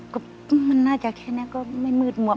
ก็มันน่าจะแค่นี้ก็ไม่มืดมนต์